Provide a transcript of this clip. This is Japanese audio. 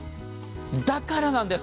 だからなんです。